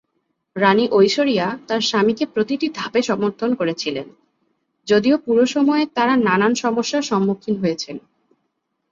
রাণী ঐশ্বরিয়া তার স্বামীকে প্রতিটি ধাপে সমর্থন করেছিলেন, যদিও পুরো সময়ে তারা নানান সমস্যার সম্মুখীন হয়েছেন।